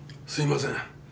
すいません。